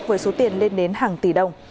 với số tiền lên đến hàng tỷ đồng